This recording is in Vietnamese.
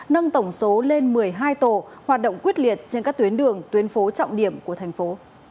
nâng tổng số lên một mươi hai tổ hoạt động quyết liệt trên các tuyến đường tuyến phố trọng điểm của thành phố